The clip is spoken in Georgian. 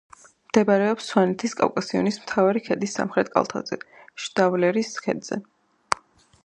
მდებარეობს სვანეთის კავკასიონის მთავარი ქედის სამხრეთ კალთაზე, შდავლერის ქედზე.